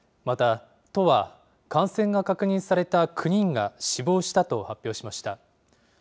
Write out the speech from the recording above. また、都は感染が確認された９人が死亡したと発表しました。